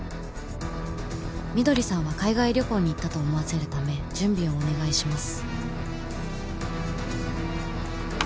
翠さんは海外旅行に行ったと思わせるため準備をお願いします